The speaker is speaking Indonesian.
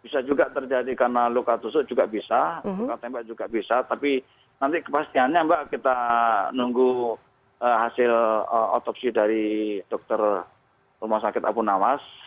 bisa juga terjadi karena luka tusuk juga bisa luka tembak juga bisa tapi nanti kepastiannya mbak kita nunggu hasil otopsi dari dokter rumah sakit apunawas